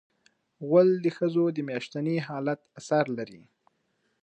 غول د ښځو د میاشتني حالت اثر لري.